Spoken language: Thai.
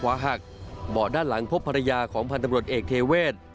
หักเบาะด้านหลังพบภรรยาของพันธบรวจเอกเทเวศ